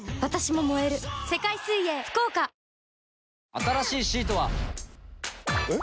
新しいシートは。えっ？